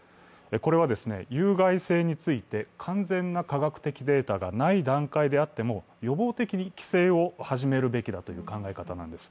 これは有害性について完全な科学的データがない段階であっても予防的に規制を始めるべきだという考え方なんです。